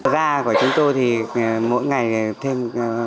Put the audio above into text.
giá của chúng tôi thì mỗi ngày thêm